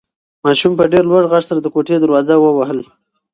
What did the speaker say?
ماشوم په ډېر لوړ غږ سره د کوټې ور واهه.